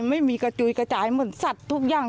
ไม่มีกระจุยกระจายเหมือนสัตว์ทุกอย่าง